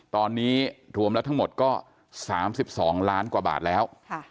ตอนนี้รวมแล้วทั้งหมดก็๓๒ล้านกว่าบาทแล้ว